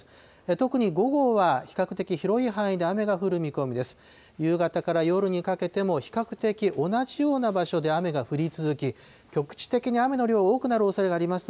特に午後は比較的広い範囲で雨が降る見込みです。